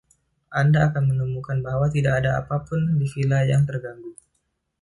Anda akan menemukan bahwa tidak ada apa pun di vila yang terganggu.